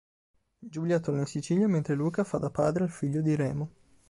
Giulia torna in Sicilia mentre Luca fa da padre al figlio di Remo.